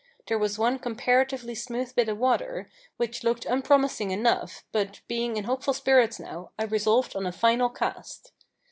There was one comparatively smooth bit of water, which looked unpromising enough, but being in hopeful spirits now, I resolved on a final cast.